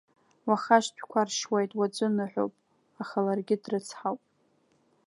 Уаха ашьтәақәа ршьуеит, уаҵәы ныҳәоуп, аха ларгьы дрыцҳауп.